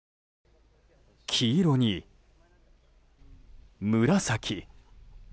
黄色に紫。